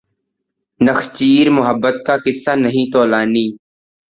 نخچیر محبت کا قصہ نہیں طولانی